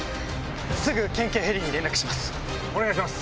すぐ県警ヘリに連絡します。